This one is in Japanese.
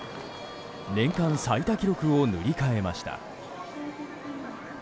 年間最多記録を塗り替えました。